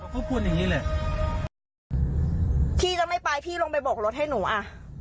ก็พูดอย่างงี้แหละพี่จะไม่ไปพี่ลงไปโบกรถให้หนูอ่ะ